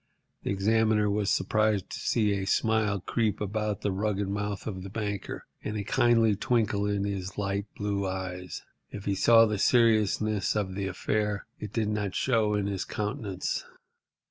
The examiner was surprised to see a smile creep about the rugged mouth of the banker, and a kindly twinkle in his light blue eyes. If he saw the seriousness of the affair, it did not show in his countenance.